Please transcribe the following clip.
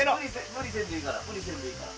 無理せんでいいから無理せんでいいから。